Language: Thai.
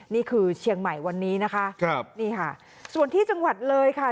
นี่คือเชียงใหม่วันนี้นะคะครับนี่ค่ะส่วนที่จังหวัดเลยค่ะ